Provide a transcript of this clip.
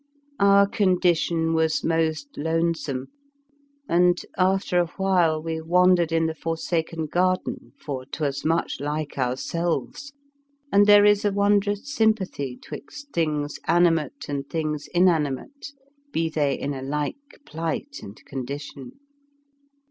Our condition was most lonesome, and, after awhile, we wandered in the forsaken garden, for 'twas much like ourselves, and there is a wondrous sympathy 'twixt things animate and things inanimate be they in a like plight and condition.